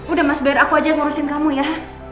udah mas biar aku aja yang ngurusin kamu ya